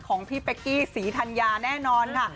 ของพี่เป๊กกี้ศรีธัญญาแน่นอนค่ะ